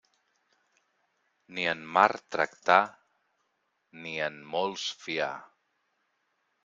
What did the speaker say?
Ni en mar tractar, ni en molts fiar.